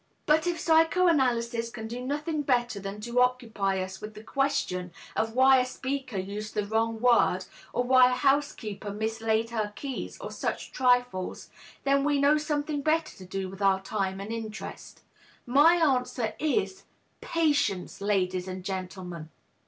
But if psychoanalysis can do nothing better than to occupy us with the question of why a speaker used the wrong word, or why a housekeeper mislaid her keys, or such trifles, then we know something better to do with our time and interest." My reply is: "Patience, ladies and gentlemen.